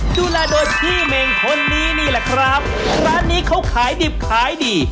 ดูแลโดยพี่เม่งคนนี้นี่แหละครับร้านนี้เขาขายดิบขายดี